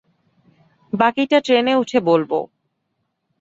বাকিটা ট্রেনে উঠে বলব।